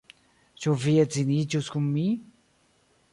Ĉu vi edziniĝus kun mi?